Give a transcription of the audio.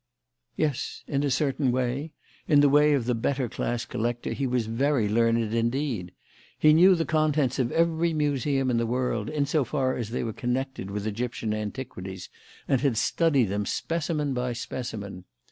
"Yes, in a certain way; in the way of the better class collector he was very learned indeed. He knew the contents of every museum in the world, in so far as they were connected with Egyptian antiquities, and had studied them specimen by specimen.